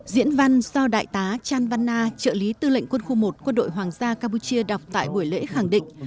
diễn văn do đại tá chan vanna trợ lý tư lệnh quân khu một quân đội hoàng gia campuchia đọc tại buổi lễ khẳng định